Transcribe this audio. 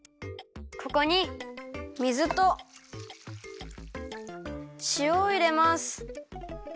ここに水としおをいれます。